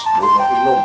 mbak beng kamu mau minum